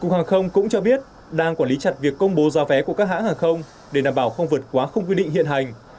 cục hàng không việt nam cũng biết đang quản lý chặt việc công bố giả vé của các hãng hàng không để đảm bảo không vượt quá không quy định hiện hành